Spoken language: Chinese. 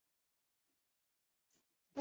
邦达仓家族自昌都发展为西藏的权贵。